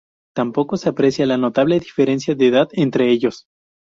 Tampoco se aprecia la notable diferencia de edad entre ellos.